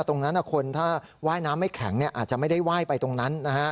ถ้าคนว่ายน้ำไม่แข็งอาจจะไม่ได้ว่ายไปตรงนั้น